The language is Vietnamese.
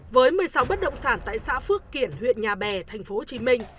với một mươi sáu bất động sản tại xã phước kiển huyện nhà bè tp hcm